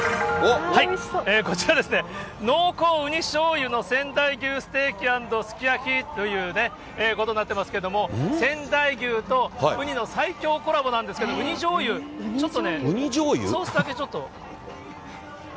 こちらですね、濃厚ウニしょうゆの仙台牛ステーキ＆すき焼きというね、ことになってますけれども、仙台牛とウニの最強コラボなんですけど、ウニじょうゆ、ちょっとね、ソースだけちょっと。